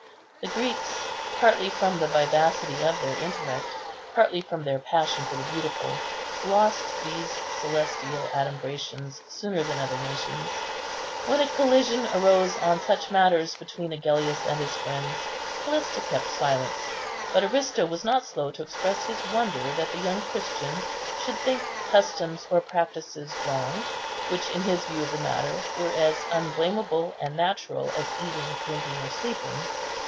The Greeks, partly from the vivacity of their intellect, partly from their passion for the beautiful, lost these celestial adumbrations sooner than other nations. When a collision arose on such matters between Agellius and his friends, Callista kept silence; but Aristo was not slow to express his wonder that the young Christian should think customs or practices wrong which, in his view of the matter, were as unblamable and natural as eating, drinking, or sleeping.